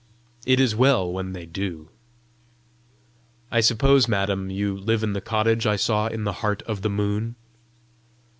It is well when they do." "I suppose, madam, you live in the cottage I saw in the heart of the moon?"